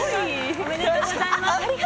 ありがとうございます。